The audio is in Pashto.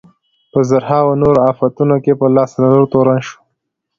په زرهاوو نورو افتونو کې په لاس لرلو تورن شو.